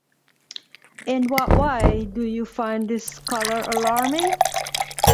In what way do you find this color alarming?